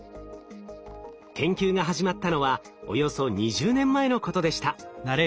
研究が始まったのはおよそ２０年前のことでした。